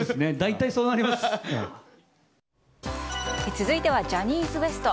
続いてはジャニーズＷＥＳＴ。